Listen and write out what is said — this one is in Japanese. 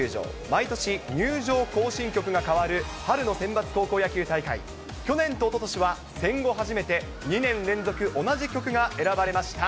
毎年入場行進曲が変わる春の選抜高校野球大会、去年とおととしは、戦後初めて、２年連続同じ曲が選ばれました。